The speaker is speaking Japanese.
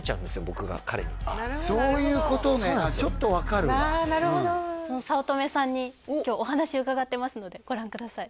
僕が彼にそういうことねちょっと分かるわその早乙女さんに今日お話伺ってますのでご覧ください